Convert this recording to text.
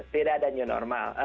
tidak ada new normal